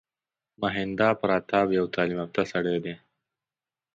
مهیندراپراتاپ یو تعلیم یافته سړی دی.